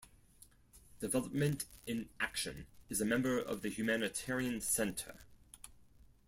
Development in Action is a member of the Humanitarian Centre.